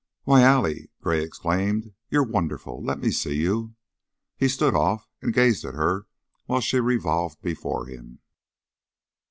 "Why, Allie!" Gray exclaimed. "You're wonderful! Let me see you." He stood off and gazed at her while she revolved before him.